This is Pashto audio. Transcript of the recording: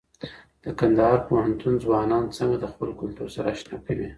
د کندهار پوهنتون ځوانان څنګه د خپل کلتور سره اشنا کوي؟